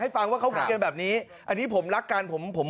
ให้ฟังว่าเขาฟูเกินแบบนี้อันนี้ผมรักกันผมผมพูดกัน